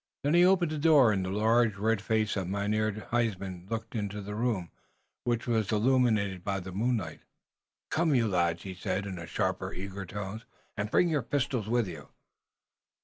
Then he opened the door and the large red face of Mynheer Huysman looked into the room, which was illuminated by the moonlight. "Come, you lads," he said, in sharp, eager tones, "und bring your pistols with you."